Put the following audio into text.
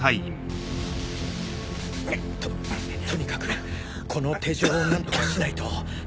ととにかくこの手錠を何とかしないと